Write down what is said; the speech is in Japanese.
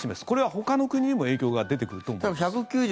これはほかの国にも影響が出てくると思います。